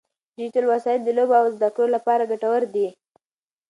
ډیجیټل وسایل د لوبو او زده کړو لپاره ګټور دي.